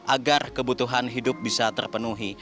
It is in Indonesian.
agar kebutuhan hidup bisa terpenuhi